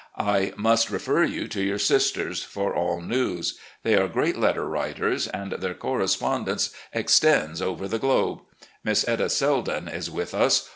I must refer you to yotir sisters for all news. They are great letter writers, and their correspondence extends over the globe. Miss Etta Seldon is with us.